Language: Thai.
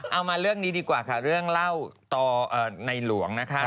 มาเรื่องนี้ดีกว่าค่ะเรื่องเล่าต่อในหลวงนะคะ